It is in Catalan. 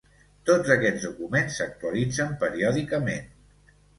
Tots aquests documents s’actualitzen periòdicament.